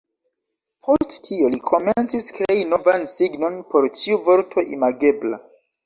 Post tio, li komencis krei novan signon por ĉiu vorto imagebla.